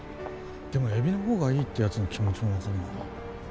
でもエビの方がいいってやつの気持ちも分かるな。